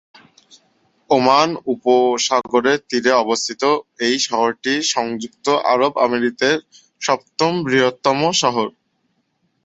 Oman উপসাগরের তীরে অবস্থিত এই শহরটি সংযুক্ত আরব আমিরাতের সপ্তম বৃহত্তম শহর।